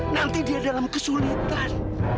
nanti dia dalam kesulitan